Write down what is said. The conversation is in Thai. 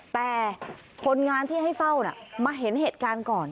แต่คนงานที่ให้เฝ้ามาเห็นเหตุการณ์ก่อน